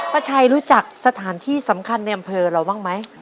ป้าชัยรู้จักสถานที่สำคัญในอำเภอเราบ้างไหม